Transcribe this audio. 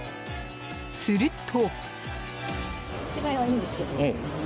すると。